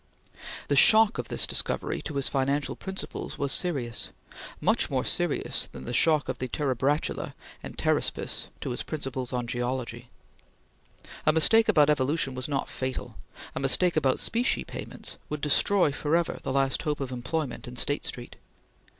The shock of this discovery to his financial principles was serious; much more serious than the shock of the Terebratula and Pteraspis to his principles of geology. A mistake about Evolution was not fatal; a mistake about specie payments would destroy forever the last hope of employment in State Street.